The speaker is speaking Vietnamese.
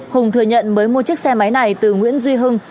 hùng thừa nhận mới mua chiếc xe máy này từ nguyễn duy hưng